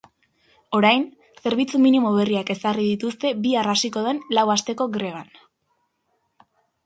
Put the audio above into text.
Orain, zerbitzu minimo berriak ezarri dituzte bihar hasiko den lau asteko greban.